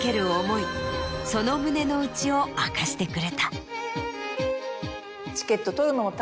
その胸の内を明かしてくれた。